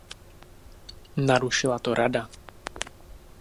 Narušila to Rada.